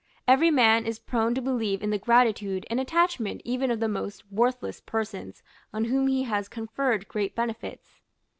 Every man is prone to believe in the gratitude and attachment even of the most worthless persons on whom he has conferred great benefits.